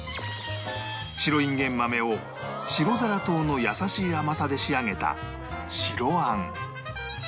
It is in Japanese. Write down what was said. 白いんげん豆を白ザラ糖の優しい甘さで仕上げた白あん